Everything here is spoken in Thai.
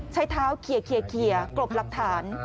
ใช้เท้าเขียวกรบรับฐาน